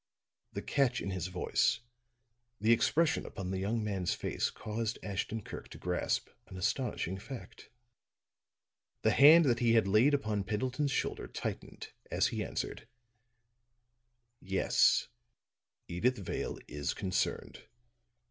The catch in his voice, the expression upon the young man's face caused Ashton Kirk to grasp an astonishing fact. The hand that he had laid upon Pendleton's shoulder tightened as he answered: "Yes, Edyth Vale is concerned.